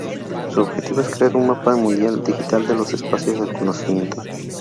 Su objetivo es crear un mapa mundial digital de los espacios del conocimiento.